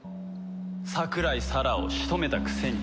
桜井沙羅を仕留めたくせに。